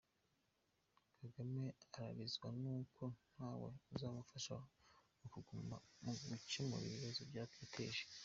Kagame ararizwa n’uko ntawe uzamufasha mugukemura ibibazo yateje.